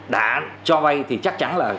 đã cho vay thì chắc chắn là